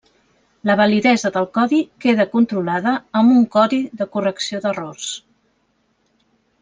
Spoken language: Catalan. La validesa del codi queda controlada amb un codi de correcció d'errors.